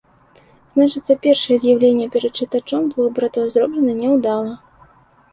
Значыцца, першае з'яўленне перад чытачом двух братоў зроблена няўдала.